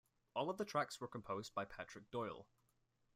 All of the tracks were composed by Patrick Doyle.